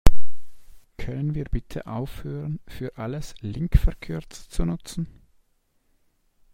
Können wir bitte aufhören, für alles Linkverkürzer zu nutzen?